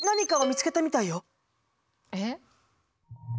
えっ？